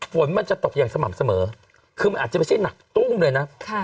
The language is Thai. ฝนมันจะตกอย่างสม่ำเสมอคือมันอาจจะไม่ใช่หนักตุ้มเลยนะ